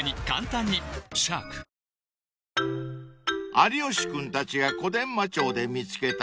［有吉君たちが小伝馬町で見つけた